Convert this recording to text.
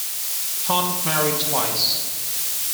Ponet married twice.